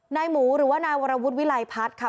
หมูหรือว่านายวรวุฒิวิลัยพัฒน์ค่ะ